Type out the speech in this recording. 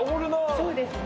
そうですね。